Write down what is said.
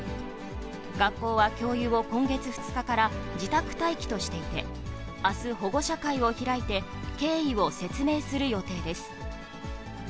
学校は教諭を今月２日から自宅待機としていて、あす、保護者会を開いて、経緯を説明する予定です。